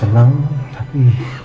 hai antara senang tapi